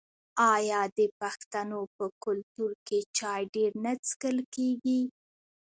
آیا د پښتنو په کلتور کې چای ډیر نه څښل کیږي؟